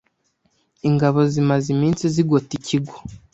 Ingabo zimaze iminsi zigota ikigo.